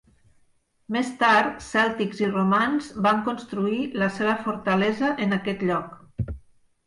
Més tard, cèltics i romans van construir la seva fortalesa en aquest lloc.